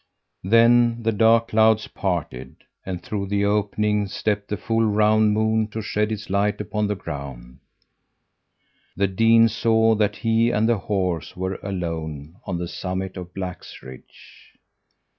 "Then the dark clouds parted, and through the opening stepped the full round moon to shed its light upon the ground. The dean saw that he and the horse were alone on the summit of Black's Ridge.